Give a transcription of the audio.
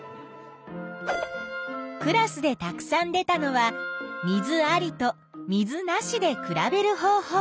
クラスでたくさん出たのは水ありと水なしで比べる方法。